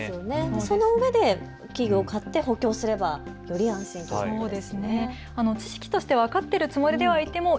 そのうえで器具を買って補強すればより安心感もありますよね。